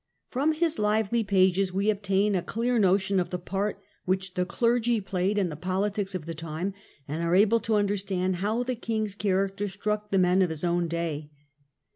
From his lively pages we obtain a clear notion of the part which the clergy played in the politics of the time, and are able to understand how the king's character struck the men of his own day.